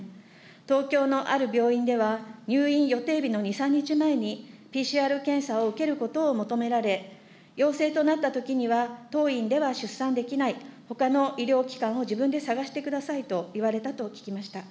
東京のある病院では、入院予定日の２、３日前にＰＣＲ検査を受けることを求められ、陽性となったときには当院では出産できない、ほかの医療機関を自分で探してくださいと言われたと聞きました。